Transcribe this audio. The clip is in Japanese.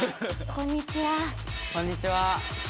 こんにちは！